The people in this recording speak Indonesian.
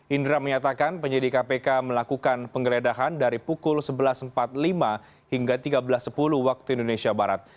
indra menyatakan penyidik kpk melakukan penggeledahan dari pukul sebelas empat puluh lima hingga tiga belas sepuluh waktu indonesia barat